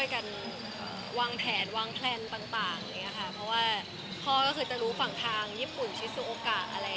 ก่อนปีใหม่ค่ะ